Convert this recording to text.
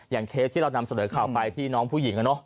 เคสที่เรานำเสนอข่าวไปที่น้องผู้หญิง